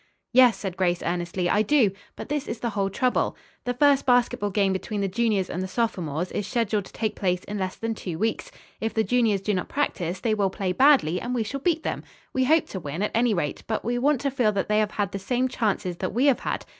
"Yes," said Grace earnestly, "I do. But this is the whole trouble. The first basketball game between the juniors and the sophomores is scheduled to take place in less than two weeks. If the juniors do not practise they will play badly, and we shall beat them. We hope to win, at any rate, but we want to feel that they have had the same chances that we have had.